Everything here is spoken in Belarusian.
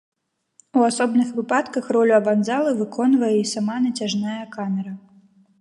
У асобных выпадках ролю аванзалы выконвае і сама нацяжная камера.